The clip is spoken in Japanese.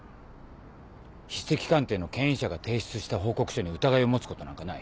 筆跡鑑定の権威者が提出した報告書に疑いを持つことなんかない。